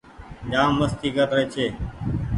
جآم مستي ڪر ري ڇي